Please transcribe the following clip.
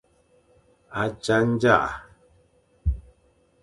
A tsa ndzaʼa.